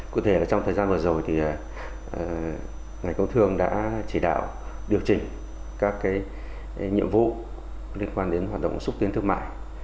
cụ thể trong thời gian vừa rồi ngày công thương đã chỉ đạo điều chỉnh các nhiệm vụ liên quan đến hoạt động xúc tiến thương mại